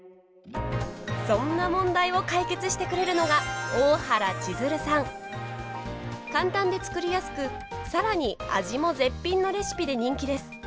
そんな問題を解決してくれるのが簡単で作りやすくさらに味も絶品のレシピで人気です。